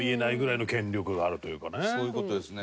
そういう事ですね。